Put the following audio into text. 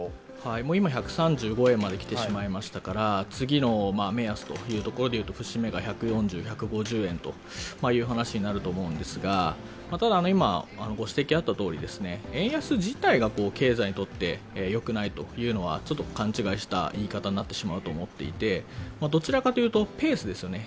今、１３５円まで来てしまいましたから、次の目安でいうと節目が１４０、１５０円という話になると思うんですがただ今、ご指摘あったとおり円安自体が経済にとって良くないというのは勘違いした言い方になってしまうと思っていてどちらかというとペースですよね。